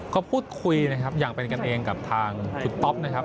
ก็พูดคุยนะครับอย่างเป็นกันเองกับทางคุณต๊อปนะครับ